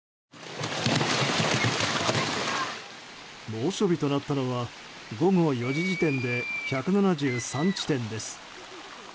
猛暑日となったのは午後４時時点で１７３地点です。